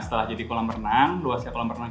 kalau halaman belakang kita itu dulu rumput area nya